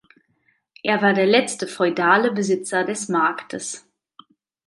Er war der letzte feudale Besitzer des Marktes.